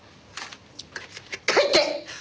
帰って！